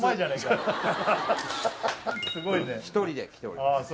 すごいね一人で来ております